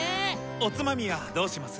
おつまみはどうします？